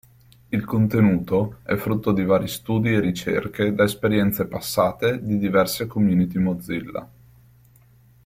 Il contenuto è frutto di vari studi e ricerche da esperienze passate di diverse community Mozilla.